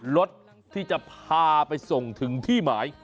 รถที่จะพาไปส่งถึงที่หมาย